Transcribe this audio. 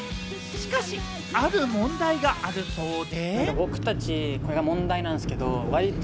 しかし、ある問題があるそうで。